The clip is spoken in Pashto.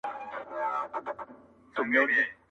ستا دپښو سپين پايزيبونه زما بدن خوري.